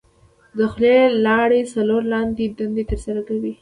د خولې لاړې څلور لاندې دندې تر سره کوي.